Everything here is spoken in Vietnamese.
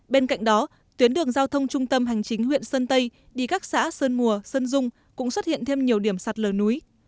bên cạnh đó tuyến đường giao thông trung tâm hành chính huyện sơn tây đi các xã sơn mùa sơn dung cũng xuất hiện thêm nhiều điểm sạt lở núi